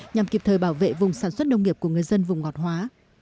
nhằm kịp thời bảo vệ vùng sản xuất nông nghiệp của người dân vùng ngọt hóa